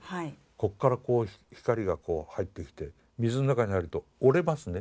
こっからこう光がこう入ってきて水の中に入ると折れますね。